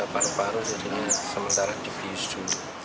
paru paru jadinya sementara di visu